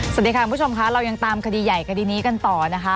สวัสดีค่ะคุณผู้ชมค่ะเรายังตามคดีใหญ่คดีนี้กันต่อนะคะ